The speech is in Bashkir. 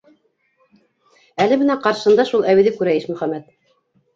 Әле бына ҡаршыһында шул әбейҙе күрә Ишмөхәмәт.